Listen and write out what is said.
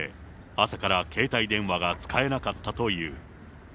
朝から携帯電話が使えなかったという。